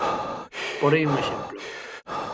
Porei un exemplo.